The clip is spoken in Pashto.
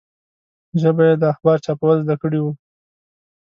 ژبه یې د اخبار چاپول زده کړي وو.